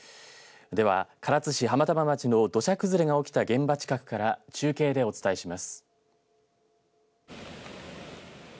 では唐津市浜玉町の土砂崩れが起きた現場近くから中継でお伝えします。